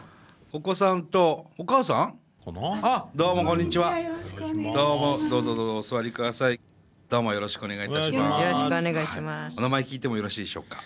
お名前聞いてもよろしいでしょうか？